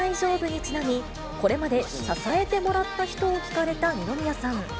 にちなみ、これまで支えてもらった人を聞かれた二宮さん。